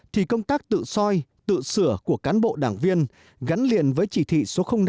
thì công tác tự soi tự sửa của cán bộ đảng viên gắn liền với chỉ thị số năm